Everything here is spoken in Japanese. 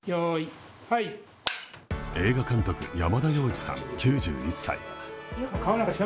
映画監督、山田洋次さん、９１歳。